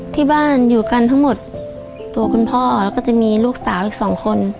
ที่บ้านอยู่กันทั้งหมดตัวคุณพ่อแล้วก็จะมีลูกสาวอีกสองคน